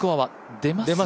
出ます。